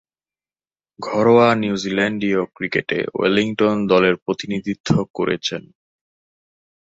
ঘরোয়া নিউজিল্যান্ডীয় ক্রিকেটে ওয়েলিংটন দলের প্রতিনিধিত্ব করেছেন।